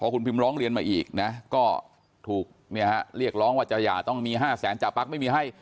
คุณพิมร้องเรียนมาอีกนะก็ถูกเรียกร้องว่าจะหย่าต้องมี๕แสนจ่าปั๊กไม่มีให้